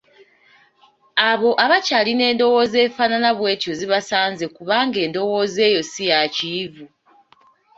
Abo abakyalina endowooza efaanana bwetyo zibasanze kubanga endowooza eyo si ya Kiyivu